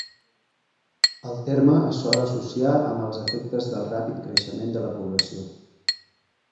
El terme es sol associar amb els efectes del ràpid creixement de la població.